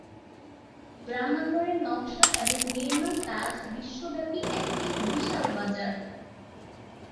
রান্নাঘরের নকশা এবং নির্মাণ কাজ বিশ্বব্যাপী একটি বিশাল বাজার।